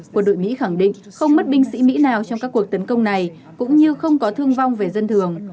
quân đội mỹ khẳng định không mất binh sĩ mỹ nào trong các cuộc tấn công này cũng như không có thương vong về dân thường